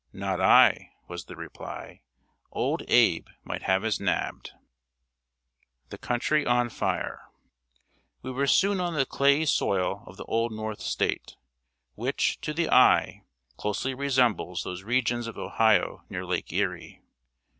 "Not I," was the reply. "Old Abe might have us nabbed!" We were soon on the clayey soil of the Old North State, which, to the eye, closely resembles those regions of Ohio near Lake Erie.